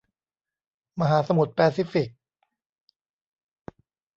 มหาสมุทรแปซิฟิก